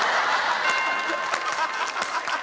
ハハハハ！